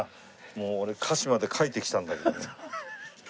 もう俺歌詞まで書いてきたんだけどね。